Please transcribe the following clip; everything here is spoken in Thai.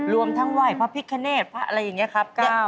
รวมทั้งไหว้พระพิคเนตพระอะไรอย่างนี้ครับ